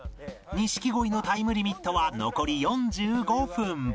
錦鯉のタイムリミットは残り４５分